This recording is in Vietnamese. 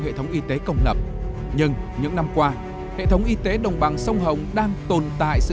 hệ thống y tế công lập nhưng những năm qua hệ thống y tế đồng bằng sông hồng đang tồn tại sự